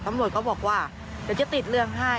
ตำรวจก็บอกว่าเดี๋ยวจะติดเรื่องให้